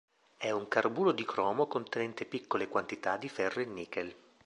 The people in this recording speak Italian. È un carburo di cromo contenente piccole quantità di ferro e nichel.